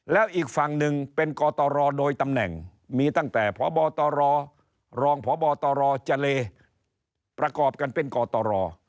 แล้วอีกฝั่งหนึ่งเป็นกตรโดยตำแหน่งมีตั้งแต่พบตรรองพบตรเจเลประกอบกันเป็นกตร